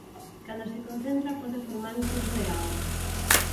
Cando se concentra pode formar un curso de auga.